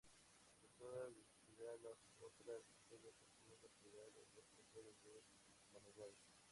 Empezó a descuidar las otras materias, atrayendo hostilidad de los profesores de humanidades.